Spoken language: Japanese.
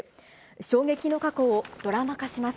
衝撃の過去をドラマ化します。